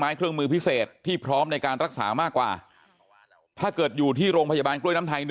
เครื่องมือพิเศษที่พร้อมในการรักษามากกว่าถ้าเกิดอยู่ที่โรงพยาบาลกล้วยน้ำไทย๑